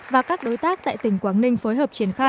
và các đối tác tại tỉnh quảng ninh